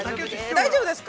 ◆大丈夫ですか。